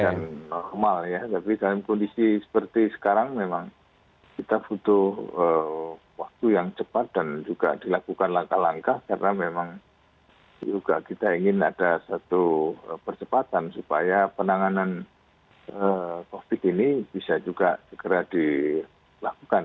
yang normal ya tapi dalam kondisi seperti sekarang memang kita butuh waktu yang cepat dan juga dilakukan langkah langkah karena memang juga kita ingin ada satu percepatan supaya penanganan covid sembilan belas ini bisa juga segera dilakukan